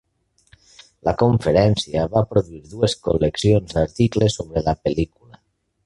La conferència va produir dues col·leccions d'articles sobre la pel·lícula.